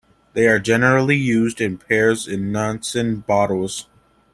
They are generally used in pairs in Nansen bottles.